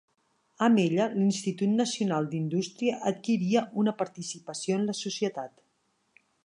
Amb ella l'Institut Nacional d'Indústria adquiria una participació en la societat.